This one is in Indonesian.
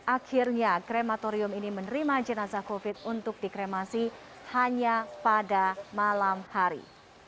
akhirnya krematorium ini menerima jenazah covid untuk dikremasi hanya pada malam hari